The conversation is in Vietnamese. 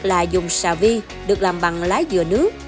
là dùng xà vi được làm bằng lá dừa nước